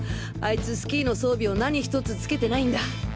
あいつスキーの装備を何１つつけてないんだ。